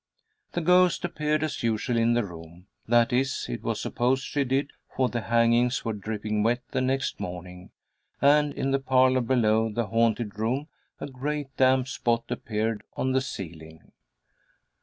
The ghost appeared as usual in the room that is, it was supposed she did, for the hangings were dripping wet the next morning, and in the parlor below the haunted room a great damp spot appeared on the ceiling.